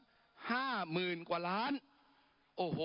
ปรับไปเท่าไหร่ทราบไหมครับ